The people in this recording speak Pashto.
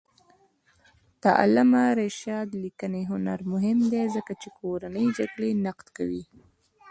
د علامه رشاد لیکنی هنر مهم دی ځکه چې کورنۍ جګړې نقد کوي.